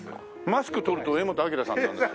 マスク取ると柄本明さんなんです。